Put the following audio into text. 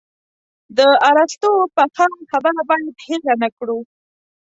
د ارسطو پخه خبره باید هېره نه کړو.